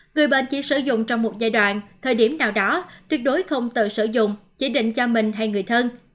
người bệnh chỉ sử dụng trong một giai đoạn thời điểm nào đó tuyệt đối không tự sử dụng chỉ định cho mình hay người thân